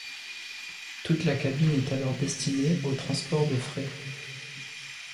Toute la cabine est alors destinée au transport de fret.